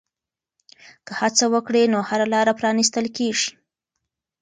که هڅه وکړې نو هره لاره پرانیستل کېږي.